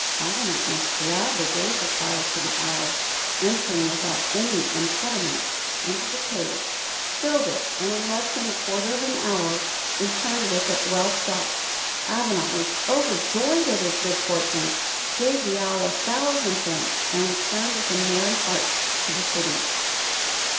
Avenant most gladly gave the phial, and the owl, entering without any impediment into the cave, filled it, and in less than a quarter of an hour returned with it well stopped. Avenant was overjoyed at his good fortune, gave the owl a thousand thanks, and returned with a merry heart to the city.